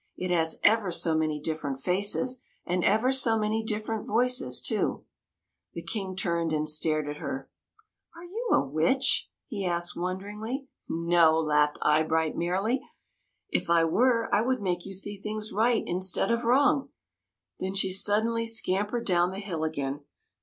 It has ever so many different faces, and ever so many different voices, too." The King turned and stared at her. " Are you a witch?" he asked wonderingly. " No !" laughed Eyebright, merrily. " If I were, I would make you see things right in stead of wrong." Then she suddenly scam pered down the hill again.